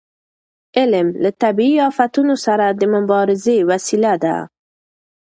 علم له طبیعي افتونو سره د مبارزې وسیله ده.